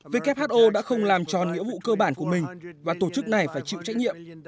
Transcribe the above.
who đã không làm tròn nghĩa vụ cơ bản của mình và tổ chức này phải chịu trách nhiệm